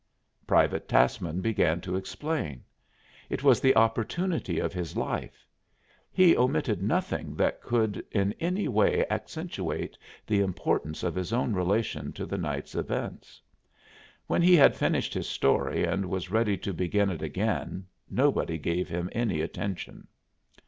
Private Tassman began to explain. It was the opportunity of his life; he omitted nothing that could in any way accentuate the importance of his own relation to the night's events. When he had finished his story and was ready to begin it again nobody gave him any attention.